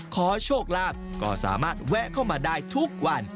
ขอโชคลาภก็สามารถแวะเข้ามาได้ทุกวัน